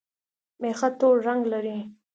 مېخه تور رنګ لري